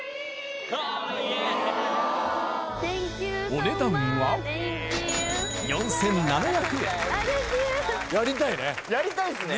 お値段はやりたいですね。